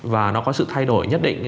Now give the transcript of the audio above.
và nó có sự thay đổi nhất định